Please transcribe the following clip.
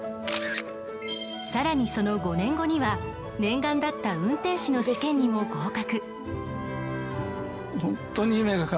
さらにその５年後には念願だった運転士の試験にも合格。